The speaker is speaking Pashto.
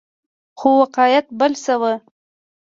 خو واقعیت بل څه وو.